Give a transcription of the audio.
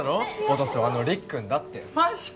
音瀬はあのりっくんだってマジか！